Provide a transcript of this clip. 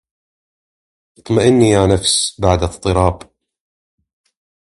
اطمئني يا نفس بعد اضطراب